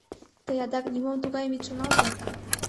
— Тый адак нимом тугайым ит шоналте.